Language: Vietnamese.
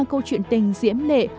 câu chuyện tình diễm lệ